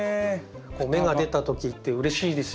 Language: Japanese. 芽が出た時ってうれしいですよね。